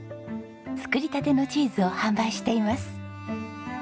作りたてのチーズを販売しています。